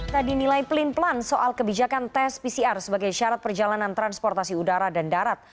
tak dinilai pelin pelan soal kebijakan tes pcr sebagai syarat perjalanan transportasi udara dan darat